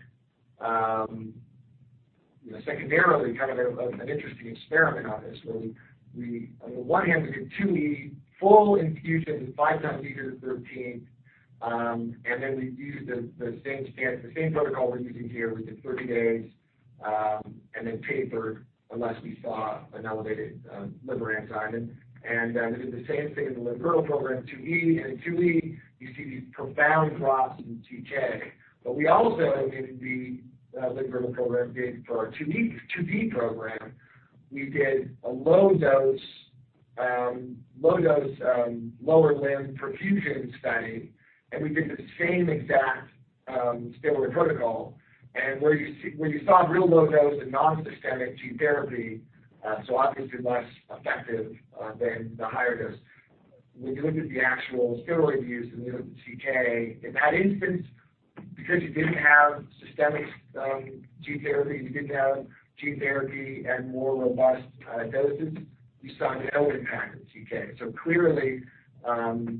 secondarily kind of an interesting experiment on this where on the one hand, we did 2E full infusion at 5 x 10^13. Then we used the same protocol we're using here. We did 30 days, and then tapered unless we saw an elevated liver enzyme. We did the same thing in the limb-girdle program, 2E. In 2E, you see these profound drops in CK. We also, in the limb-girdle program did for our 2D program. We did a low dose lower limb perfusion study, and we did the same exact steroid protocol. Where you saw real low dose and non-systemic gene therapy, so obviously less effective than the higher dose. When we looked at the actual steroid use and we looked at the CK, in that instance, because you didn't have systemic gene therapy, you didn't have gene therapy at more robust doses. We saw no impact on CK. Clearly,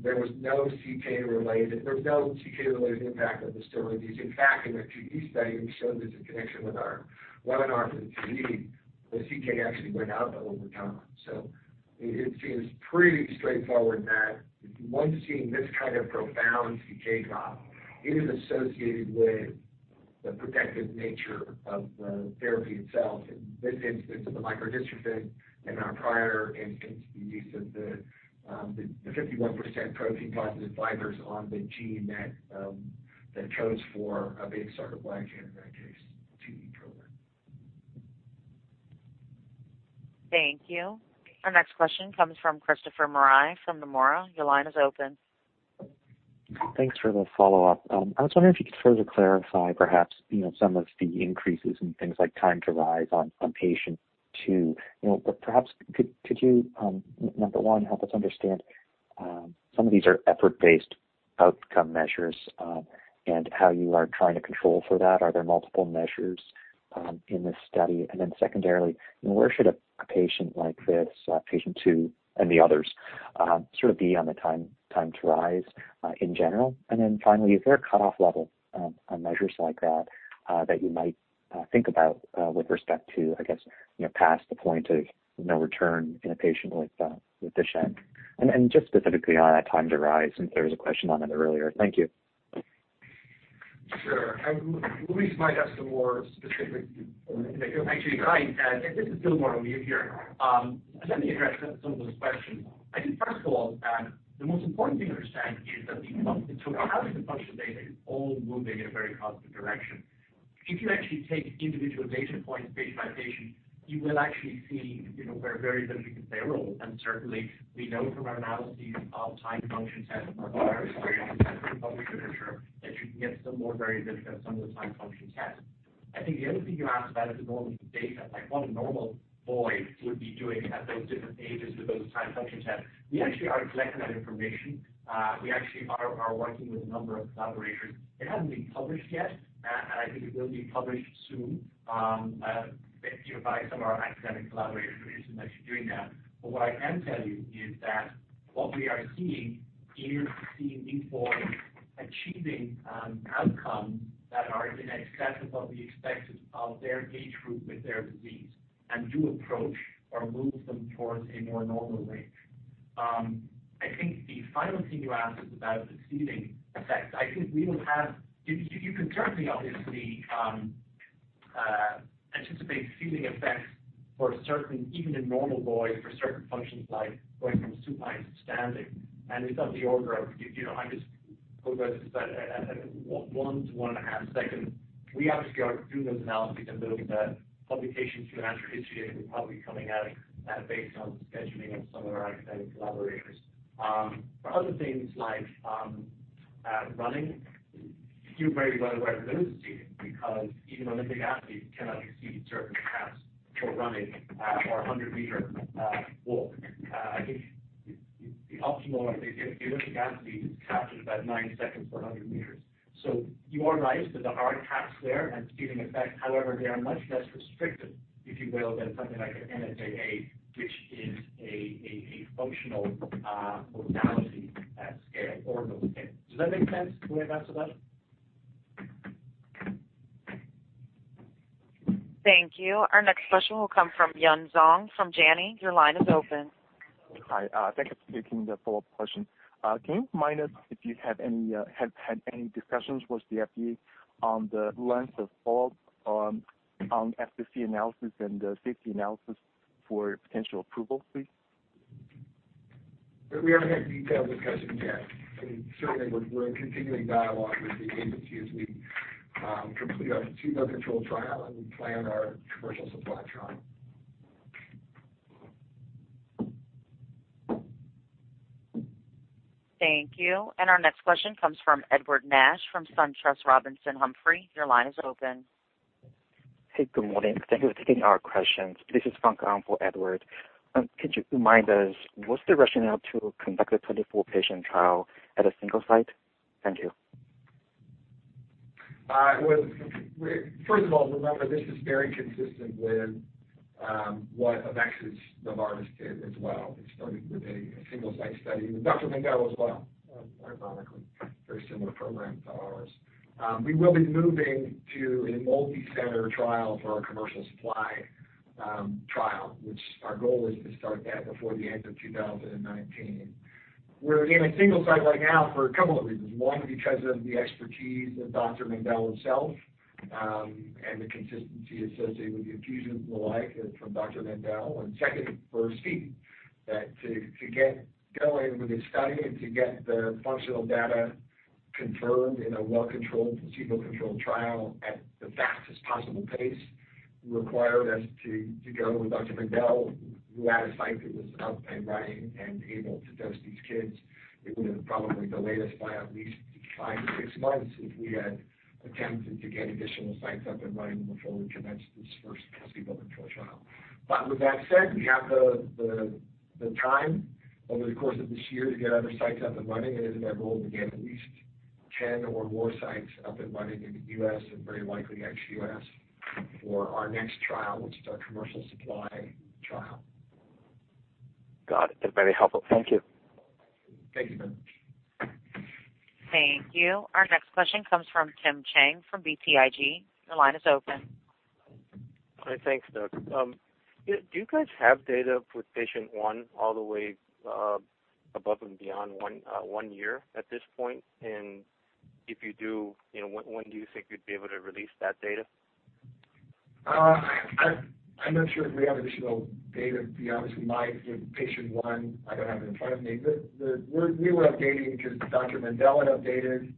there was no CK-related impact of the steroid use. In fact, in the 2E study, we showed this in connection with our webinar for the 2E. The CK actually went up over time. It seems pretty straightforward that once you've seen this kind of profound CK drop, it is associated with the protective nature of the therapy itself. In this instance, with the microdystrophin, and on prior instance, the use of the 51% protein positive fibers on the gene that chose for a big sort of blanket in that case, 2E program. Thank you. Our next question comes from Christopher Marai from Nomura. Your line is open. Thanks for the follow-up. I was wondering if you could further clarify perhaps some of the increases in things like time to rise on patient two. Perhaps could you, number one, help us understand some of these are effort-based outcome measures and how you are trying to control for that. Are there multiple measures in this study? Secondarily, where should a patient like this, patient two, and the others sort of be on the time to rise in general? Finally, is there a cutoff level on measures like that that you might think about with respect to, I guess, past the point of no return in a patient like Duchenne? Just specifically on that time to rise, since there was a question on it earlier. Thank you. Sure. Louise might have some more specific information. Actually, hi. This is [Dilawa] I'm here. Let me address some of those questions. I think first of all, the most important thing to understand is that we took out the functional data. It's all moving in a very positive direction. If you actually take individual data points patient by patient, you will actually see where variability can play a role. Certainly, we know from our analyses of time function tests and from our experience in the published literature that you can get some more variability on some of the time function tests. I think the other thing you asked about is the normal data, like what a normal boy would be doing at those different ages with those time function tests. We actually are collecting that information. We actually are working with a number of collaborators. I think it will be published soon by some of our academic collaborators. We recently started doing that. What I can tell you is that what we are seeing is these boys achieving outcomes that are in excess of what we expected of their age group with their disease and do approach or move them towards a more normal range. I think the final thing you asked is about exceeding effects. You can certainly obviously anticipate exceeding effects even in normal boys for certain functions like going from supine to standing. In terms of the order of, I just quoted one to one and a half seconds. We obviously are doing those analyses and building the publications you mentioned at the beginning, probably coming out based on scheduling of some of our academic collaborators. For other things like running You're very well aware of the limits to it, because even Olympic athletes cannot exceed certain caps for running or 100-meter walk. I think the optimal Olympic athlete cap is about nine seconds for 100 meters. You are right that there are caps there and ceiling effects. However, they are much less restrictive, if you will, than something like an NSAA, which is a functional modality at scale or no scale. Does that make sense the way I've answered that? Thank you. Our next question will come from Yun Zhong from Janney. Your line is open. Hi, thank you for taking the follow-up question. Can you remind us if you have had any discussions with the FDA on the length of follow-up on FVC analysis and safety analysis for potential approval, please? We haven't had detailed discussions yet. Certainly, we're in continuing dialogue with the agency as we complete our placebo-controlled trial and we plan our commercial supply trial. Thank you. Our next question comes from Edward Nash from SunTrust Robinson Humphrey. Your line is open. Hey, good morning. Thank you for taking our questions. This is Fang-Ke Huang for Edward. Could you remind us what's the rationale to conduct a 24-patient trial at a single site? Thank you. First of all, remember, this is very consistent with what AveXis, Novartis did as well. It started with a single site study. With Dr. Mendell as well, ironically. Very similar program to ours. We will be moving to a multi-center trial for our commercial supply trial, which our goal is to start that before the end of 2019. We're in a single site right now for a couple of reasons. One, because of the expertise of Dr. Mendell himself, and the consistency associated with the infusions and the like from Dr. Mendell. And second, for speed. That to get going with this study and to get the functional data confirmed in a well-controlled, placebo-controlled trial at the fastest possible pace required us to go with Dr. Mendell, who had a site that was up and running and able to dose these kids. It would have probably delayed us by at least five to six months if we had attempted to get additional sites up and running before we commenced this first placebo-controlled trial. With that said, we have the time over the course of this year to get other sites up and running. It is our goal to get at least 10 or more sites up and running in the U.S. and very likely ex-U.S. for our next trial, which is our commercial supply trial. Got it. That's very helpful. Thank you. Thank you. Thank you. Our next question comes from Tim Chiang from BTIG. Your line is open. Thanks, Doug. Do you guys have data with patient one all the way above and beyond one year at this point? If you do, when do you think you'd be able to release that data? I'm not sure if we have additional data to be honest with you. Might with patient one, I don't have it in front of me. We were updating because Dr. Mendell had updated.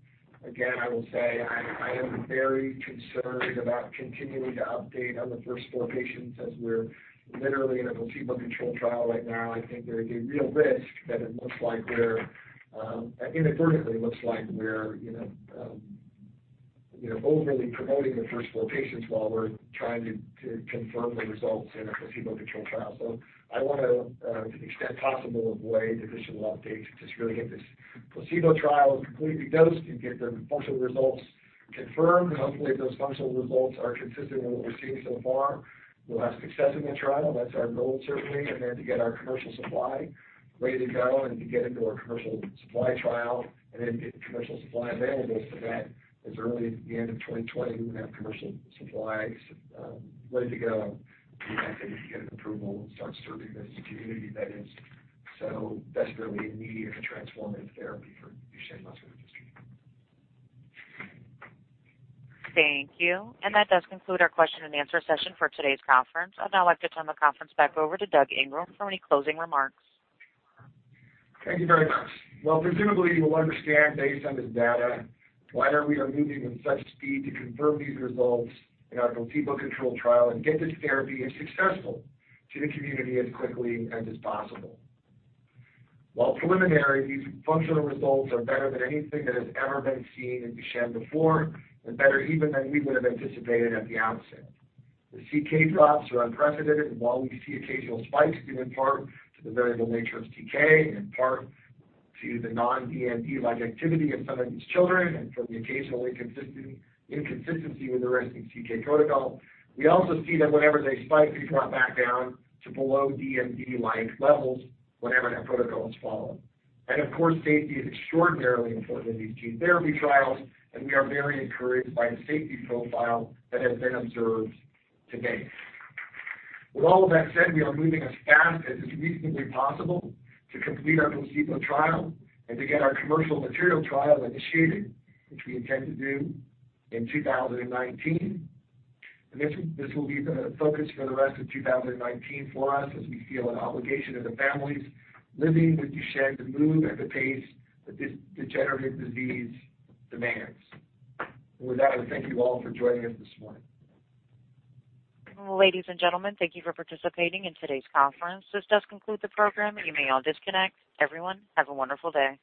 Again, I will say I am very concerned about continuing to update on the first four patients as we're literally in a placebo-controlled trial right now. I think there would be a real risk that it inadvertently looks like we're overly promoting the first four patients while we're trying to confirm the results in a placebo-controlled trial. I want to the extent possible, avoid additional updates to just really get this placebo trial completely dosed and get the functional results confirmed. Hopefully, if those functional results are consistent with what we're seeing so far, we'll have success in the trial. That's our goal, certainly, and then to get our commercial supply ready to go and to get into our commercial supply trial and then get the commercial supply available so that as early as the end of 2020, we would have commercial supplies ready to go. I think if we get an approval, start serving this community that is so desperately in need of a transformative therapy for Duchenne muscular dystrophy. Thank you. That does conclude our question and answer session for today's conference. I'd now like to turn the conference back over to Doug Ingram for any closing remarks. Thank you very much. Well, presumably, you will understand based on this data why we are moving with such speed to confirm these results in our placebo-controlled trial and get this therapy, if successful, to the community as quickly as is possible. While preliminary, these functional results are better than anything that has ever been seen in Duchenne before, and better even than we would have anticipated at the outset. The CK drops are unprecedented, while we see occasional spikes due in part to the variable nature of CK, and in part to the non-DMD-like activity of some of these children, and from the occasional inconsistency with the resting CK protocol, we also see that whenever they spike, they drop back down to below DMD-like levels whenever that protocol is followed. Of course, safety is extraordinarily important in these gene therapy trials, and we are very encouraged by the safety profile that has been observed to date. With all of that said, we are moving as fast as is reasonably possible to complete our placebo trial and to get our commercial material trial initiated, which we intend to do in 2019. This will be the focus for the rest of 2019 for us as we feel an obligation to the families living with Duchenne to move at the pace that this degenerative disease demands. With that, I thank you all for joining us this morning. Ladies and gentlemen, thank you for participating in today's conference. This does conclude the program. You may all disconnect. Everyone, have a wonderful day.